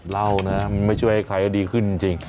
เหล้านะครับมันไม่ช่วยให้ใครดีขึ้นจริง